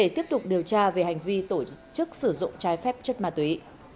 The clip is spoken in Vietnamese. phép chất ma túy